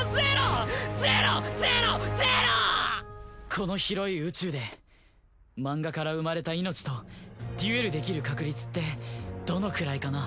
この広い宇宙でマンガから生まれた命とデュエルできる確率ってどのくらいかな？